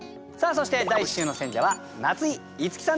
そして第１週の選者は夏井いつきさんです。